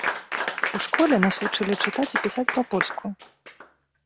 У школе нас вучылі чытаць і пісаць па-польску.